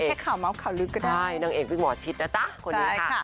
เป็นแค่ข่าวเมาส์ข่าวลึกก็ได้ใช่นางเอกวิ่งหมอชิดนะจ๊ะคนนี้ค่ะ